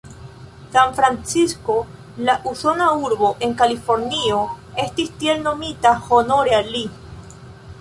Sanfrancisko, la usona urbo en Kalifornio, estis tiel nomita honore al li.